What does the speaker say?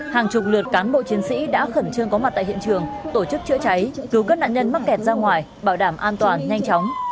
hàng chục lượt cán bộ chiến sĩ đã khẩn trương có mặt tại hiện trường tổ chức chữa cháy cứu các nạn nhân mắc kẹt ra ngoài bảo đảm an toàn nhanh chóng